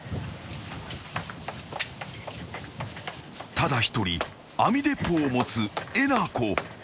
［ただ一人網鉄砲を持つえなこ］